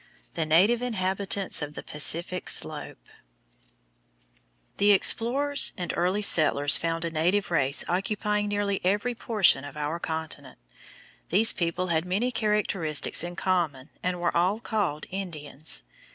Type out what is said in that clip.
THE NATIVE INHABITANTS OF THE PACIFIC SLOPE The explorers and early settlers found a native race occupying nearly every portion of our continent. These people had many characteristics in common and were all called Indians.